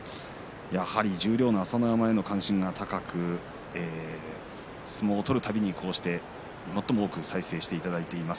やはり十両の朝乃山への関心が高く相撲を取る度に、こうして最も多く再生していただいています。